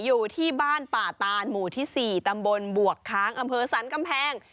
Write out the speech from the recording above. อยู่ที่บ้านป่าตานหมู่ที่สี่ตำบลบวกค้างอศัลกำแพง